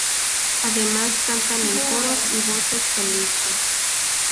Además canta en coros y voces solistas.